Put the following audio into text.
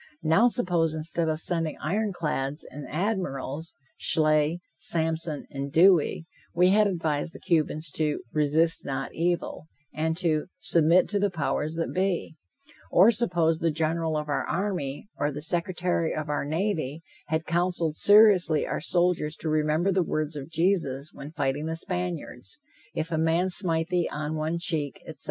Now, suppose, instead of sending iron clads and admirals, Schley, Sampson and Dewey, we had advised the Cubans to "resist not evil," and to "submit to the powers that be," or suppose the General of our army, or the Secretary of our navy, had counseled seriously our soldiers to remember the words of Jesus when fighting the Spaniards: "If a man smite thee on one cheek," etc.